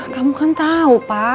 kamu kan tau pak